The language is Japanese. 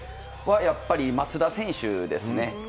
やっぱり松田選手ですね。